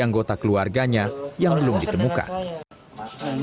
anggota keluarganya yang belum ditemukan